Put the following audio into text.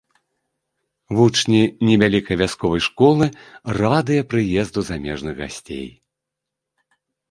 Вучні невялікай вясковай школы радыя прыезду замежных гасцей.